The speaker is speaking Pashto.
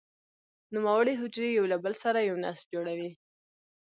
نوموړې حجرې یو له بل سره یو نسج جوړوي.